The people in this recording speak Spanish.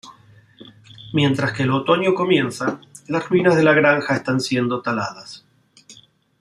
Mientras que el otoño comienza, las ruinas de la granja están siendo taladas.